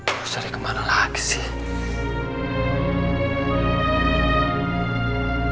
aku harus cari kemana lagi siri